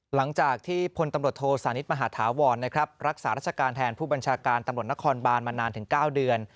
หลังจากที่พลตำรวจโทสานิทมหาธาวรนะครับรักษาราชการแทนผู้บัญชาการตำรวจนครบานมานานถึง๙เดือน